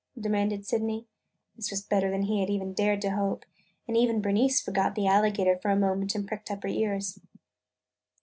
demanded Sydney. This was better than he had even dared to hope. And even Bernice forgot the alligator for a moment and pricked up her ears.